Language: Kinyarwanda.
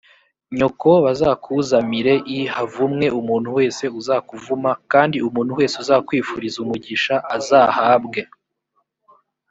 nyoko bazakunamire l havumwe umuntu wese uzakuvuma kandi umuntu wese uzakwifuriza umugisha azahabwe